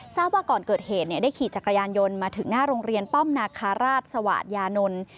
ทราบว่าก่อนเกิดเหตุได้ขี่จักรยานยนต์มาถึงหน้าโรงเรียนป้อมนาคาราชสวาสยานนท์